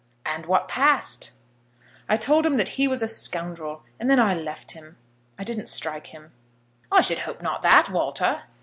"And what passed?" "I told him that he was a scoundrel, and then I left him. I didn't strike him." "I should hope not that, Walter."